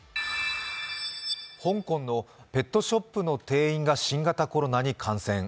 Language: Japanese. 香港のペットショップの店員が新型コロナに感染。